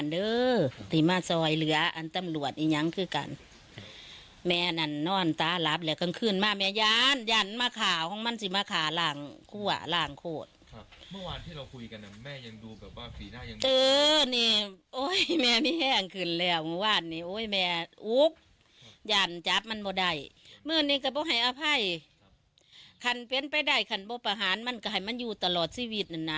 นี่ก็บอกให้อภัยคันเป็นไปได้คันบอกประหารมันก็ให้มันอยู่ตลอดชีวิตนั้นนะ